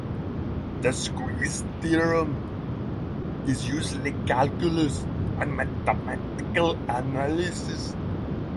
The squeeze theorem is used in calculus and mathematical analysis.